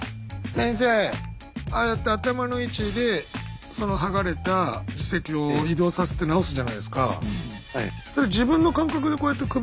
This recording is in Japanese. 先生ああやって頭の位置でその剥がれた耳石を移動させて治すじゃないですか。